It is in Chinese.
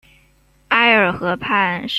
埃尔河畔圣科隆布。